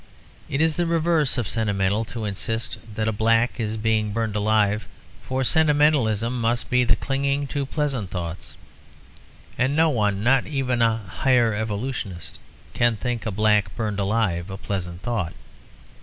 It is the reverse of sentimental to insist that a nigger is being burned alive; for sentimentalism must be the clinging to pleasant thoughts. And no one, not even a Higher Evolutionist, can think a nigger burned alive a pleasant thought.